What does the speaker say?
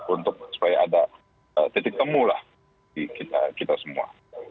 untuk supaya ada titik temu lah di kita semua